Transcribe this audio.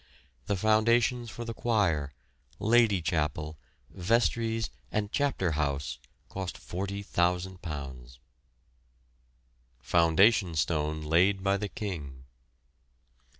The foundations for the Choir, Lady Chapel, Vestries, and Chapter House cost £40,000. FOUNDATION STONE LAID BY THE KING.